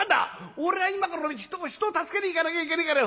俺は今から人を助けに行かなきゃいけねえからよ